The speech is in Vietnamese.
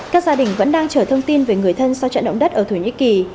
các gia đình vẫn đang chờ thông tin về người thân sau trận đậu đất ở thổ nhĩ kỳ